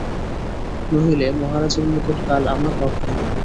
নহিলে মহারাজের নিকট কাল আমার রক্ষা নাই।